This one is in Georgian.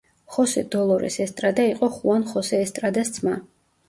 ხოსე დოლორეს ესტრადა იყო ხუან ხოსე ესტრადას ძმა.